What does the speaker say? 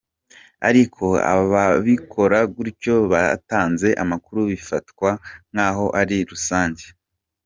Ariko ababikora gutyo batanze amakuru bifatwa nk’aho ari rusange.